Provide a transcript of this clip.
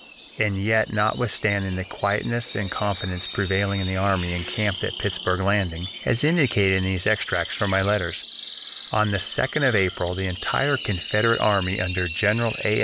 And yet notwithstanding the quietness and confidence prevailing in the army encamped at Pittsburg Landing, as indicated in these extracts from my letters, on the 2d of April the entire Confederate army under General A.